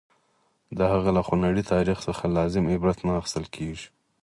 د هغه له خونړي تاریخ څخه لازم عبرت نه اخیستل کېږي.